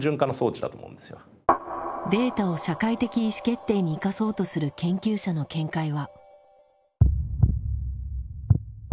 データを社会的意思決定に生かそうとする研究者の見解は。